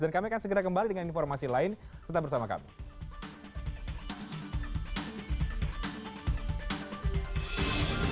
dan kami akan segera kembali dengan informasi lain tetap bersama kami